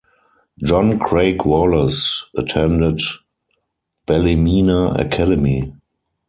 John Craig Wallace attended Ballymena Academy.